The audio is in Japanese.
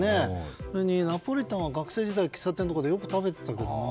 それに、ナポリタンは学生時代、喫茶店とかでよく食べてたけどな。